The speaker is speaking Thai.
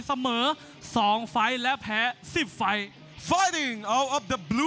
เสมอ๒ไฟล์และแพ้๑๐ไฟล์